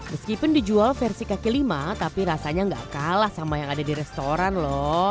meskipun dijual versi kaki lima tapi rasanya gak kalah sama yang ada di restoran loh